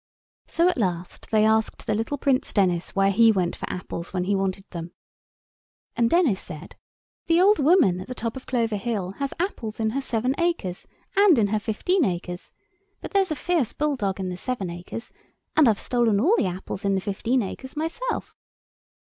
So at last they asked the little Prince Denis where he went for apples when he wanted them. And Denis said— "The old woman at the top of Clover Hill has apples in her seven acres, and in her fifteen acres, but there's a fierce bulldog in the seven acres, and I've stolen all the apples in the fifteen acres myself."